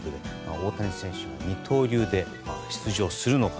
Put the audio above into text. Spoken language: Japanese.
大谷選手は二刀流で出場するのか。